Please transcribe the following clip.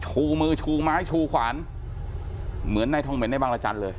ชูมือชูไม้ชูขวานเหมือนในทองเหม็นในบางรจันทร์เลย